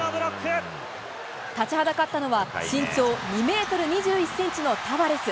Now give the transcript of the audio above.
立ちはだかったのは、身長２メートル２１センチのタバレス。